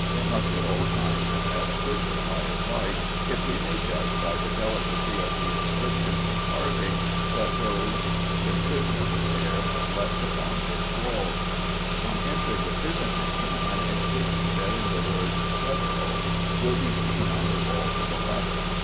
It must at all times have had a good supply of light, if we may judge by the delicacy of the inscriptions and carvings that those imprisoned there have left upon its walls. On entering the prison room an inscription bearing the word "Peveril" will be seen on the wall to the left.